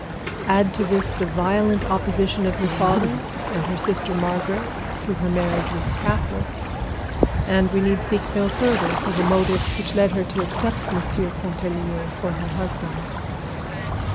Add to this the violent opposition of her father and her sister Margaret to her marriage with a Catholic, and we need seek no further for the motives which led her to accept Monsieur Pontellier for her husband.